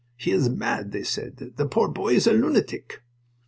"He is mad!" they said. "The poor boy is a lunatic!"